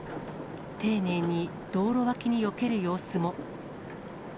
丁寧に道路脇によける様子も。